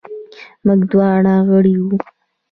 موږ دواړه غړي وو.